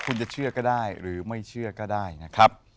คุณจะเชื่อก็ได้หรือไม่เชื่อก็ได้นะครับ